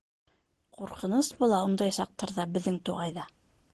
Ҡурҡыныс була ундай саҡтарҙа беҙҙең туғайҙа.